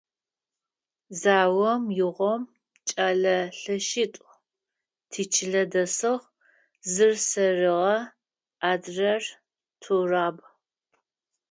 Заом игъом кӏэлэ лъэщитӏу тичылэ дэсыгъ; зыр – сэрыгъэ, адрэр – Тураб.